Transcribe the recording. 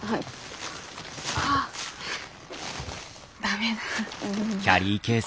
ああ駄目だ。